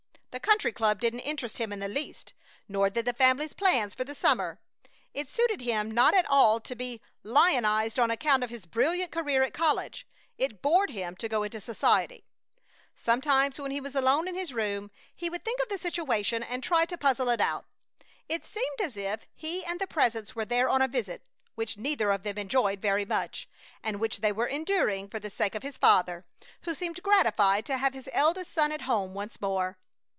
The Country Club didn't interest him in the least, nor did the family's plans for the summer. It suited him not at all to be lionized on account of his brilliant career at college. It bored him to go into society. Sometimes, when he was alone in his room, he would think of the situation and try to puzzle it out. It seemed as if he and the Presence were there on a visit which neither of them enjoyed very much, and which they were enduring for the sake of his father, who seemed gratified to have his eldest son at home once more.